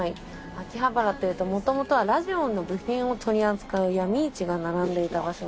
秋葉原というと元々はラジオの部品を取り扱う闇市が並んでいた場所。